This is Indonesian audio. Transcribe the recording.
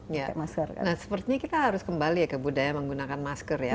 nah sepertinya kita harus kembali ya ke budaya menggunakan masker ya